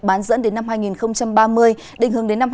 bán dẫn đến năm hai nghìn ba mươi